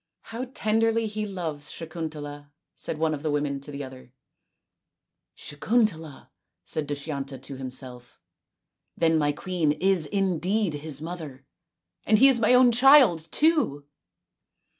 " How tenderly he loves Sakuntala !" said one of the women to the other. " Sakuntala !" said Dushyanta to himself. " Then my queen is indeed his mother, and he is my own child too